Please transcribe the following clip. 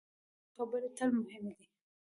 د پیرودونکي خبرې تل مهمې دي.